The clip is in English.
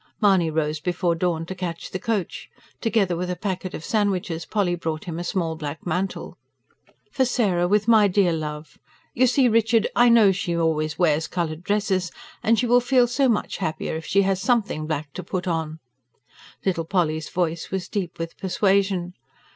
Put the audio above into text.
Mahony rose before dawn to catch the coach. Together with a packet of sandwiches, Polly brought him a small black mantle. "For Sarah, with my dear love. You see, Richard, I know she always wears coloured dresses. And she will feel so much happier if she has SOMETHING black to put on." Little Polly's voice was deep with persuasion.